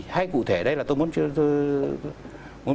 hay cụ thể đây là tôi muốn